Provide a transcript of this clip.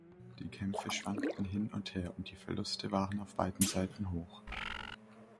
Die Kämpfe schwankten hin und her und die Verluste waren auf beiden Seiten hoch.